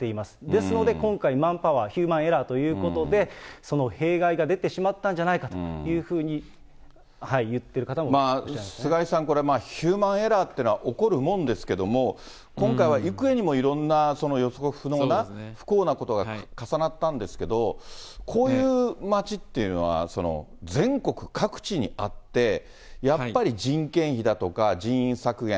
ですので今回、マンパワー、ヒューマンエラーということで、その弊害が出てしまったんじゃないかというふうに言ってる方もい菅井さん、これヒューマンエラーというのは起こるもんですけど、今回はいくえにもいろんな予測不能な不幸なことが重なったんですけど、こういう町っていうのは、全国各地にあって、やっぱり人件費だとか、人員削減。